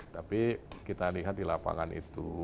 tapi kita lihat di lapangan itu